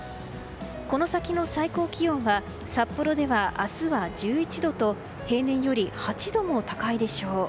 この先の最高気温は札幌では明日は１１度と平年より８度も高いでしょう。